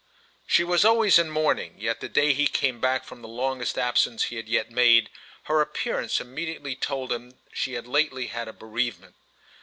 She was always in mourning, yet the day he came back from the longest absence he had yet made her appearance immediately told him she had lately had a bereavement.